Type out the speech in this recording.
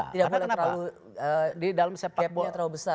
tidak boleh terlalu gapnya terlalu besar